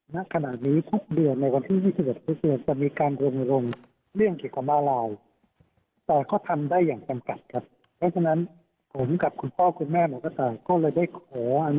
ในขณะนี้ทุกเดือนในวันที่วิทยาลัยประเทศจะมีการวงลงเรื่องเกี่ยวกับมาลาย